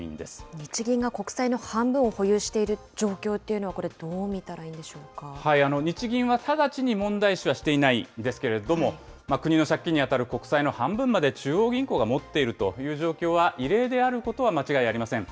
日銀が国債の半分を保有している状況というのは、これ、どう日銀は直ちに問題視はしていないんですけれども、国の借金に当たる国債の半分まで中央銀行が持っているという状況は異例であることは間違いありません。